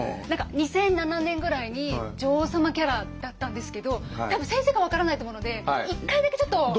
何か２００７年ぐらいに女王様キャラだったんですけど多分先生が分からないと思うので１回だけちょっと。